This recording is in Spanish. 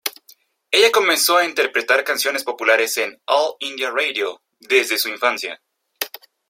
Ella comenzó a interpretar canciones populares en All India Radio desde su infancia.